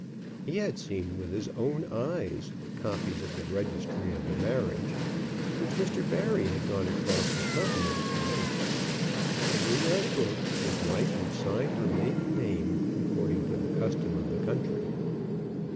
He had seen with his own eyes copies of the registry of the marriage, which Mr. Barry had gone across the Continent to make. And in that book his wife had signed her maiden name, according to the custom of the country.